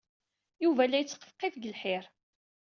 Yuba la yetteqfifi seg lḥir.